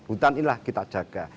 hutan inilah kita jaga